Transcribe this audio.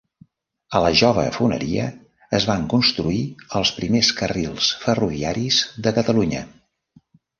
A la jove foneria es van construir els primers carrils ferroviaris de Catalunya.